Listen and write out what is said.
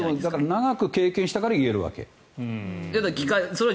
長く経験したから言えるわけ。